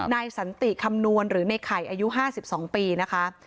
นายสันติคำนวณหรือเนคัยอายุห้าสิบสองปีนะคะ